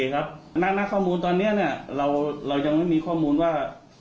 ณข้อมูลตอนนี้เรายังไม่มีข้อมูลว่า